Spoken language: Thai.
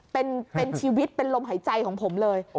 เป็นชีวิตเป็นลมหายใจของผมเลย